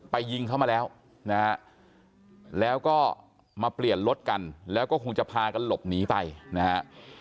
ยิงเขามาแล้วนะฮะแล้วก็มาเปลี่ยนรถกันแล้วก็คงจะพากันหลบหนีไปนะฮะ